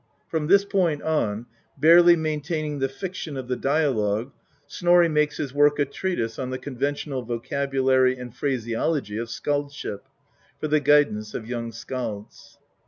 From this point on, barely maintaining the fiction of the dialogue, Snorri makes his work a treatise on the con ventional vocabulary and phraseology of skaldship, for the guidance of young skalds.